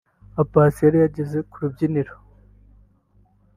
A Pass yari yageze ku rubyiniro